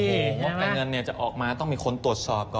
อรภโอ้โหได้เงินเนี่ยจะออกมาต้องมีคนตรวจสอบก่อน